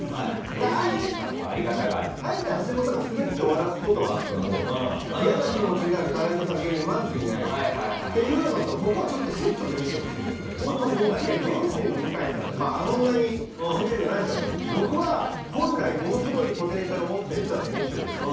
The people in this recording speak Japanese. あえて橋本がスベって終わらすことはあっても嫌な気持ちになるタレントさん、芸人はまずないというのとここはセットで見てほしいんですけど天津の向さんってあんまり知名度ないと思いますが僕は本来ものすごいポテンシャルを持ってる人だと思ってるんです。